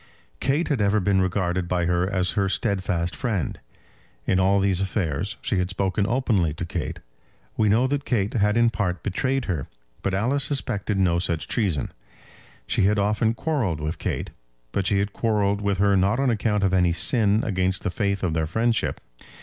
Kate had ever been regarded by her as her steadfast friend. In all these affairs she had spoken openly to Kate. We know that Kate had in part betrayed her, but Alice suspected no such treason. She had often quarrelled with Kate; but she had quarrelled with her not on account of any sin against the faith of their friendship.